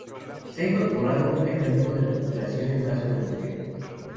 Se ha incorporado un mecanismo de recuperación en caso de bloqueo.